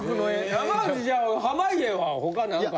山内じゃあ濱家は他なんか？